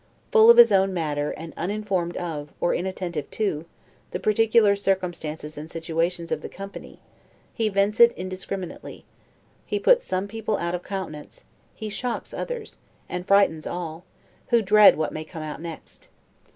Full of his own matter, and uninformed of; or inattentive to, the particular circumstances and situations of the company, he vents it indiscriminately; he puts some people out of countenance; he shocks others; and frightens all, who dread what may come out next.